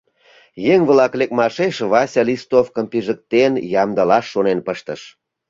Еҥ-влак лекмашеш Вася листовкым пижыктен ямдылаш шонен пыштен.